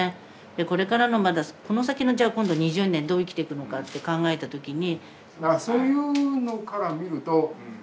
これからのまだこの先のじゃあ今度２０年どう生きていくのかって考えた時に。